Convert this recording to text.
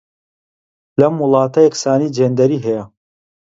لەم وڵاتە یەکسانیی جێندەری هەیە.